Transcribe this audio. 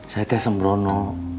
saya tidak sembrono